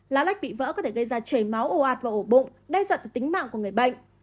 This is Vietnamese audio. lá lách bị vỡ có thể gây ra trời máu ổ ạt vào ổ bụng đe dọa từ tính mạng của người bệnh